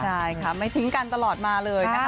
ใช่ค่ะไม่ทิ้งกันตลอดมาเลยนะคะ